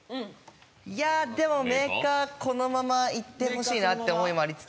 いやでもメーカーこのままいってほしいなって思いもありつつ。